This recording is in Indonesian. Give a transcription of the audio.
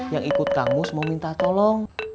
yang ikut kang mus mau minta tolong